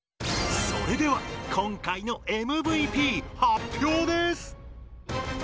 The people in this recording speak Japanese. それでは今回のＭＶＰ発表です！